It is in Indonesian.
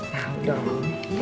ya udah boleh